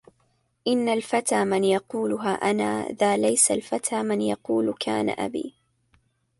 إِنَّ الفَتى مَن يُقولُ ها أَنا ذا لَيسَ الفَتى مَن يُقولُ كانَ أَبي